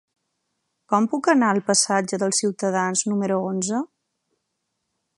Com puc anar al passatge dels Ciutadans número onze?